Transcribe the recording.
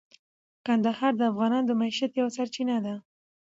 کندهار د افغانانو د معیشت یوه سرچینه ده.